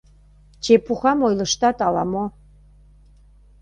Чепухам ойлыштат ала-мо...